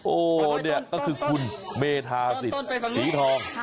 โอ้เนี่ยก็คือคุณเมธาสิทธิ์สีทอง